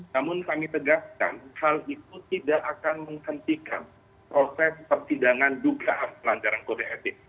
namun kami tegaskan hal itu tidak akan menghentikan proses persidangan dugaan pelanggaran kode etik